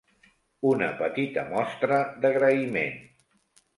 Un petita mostra d'agraïment.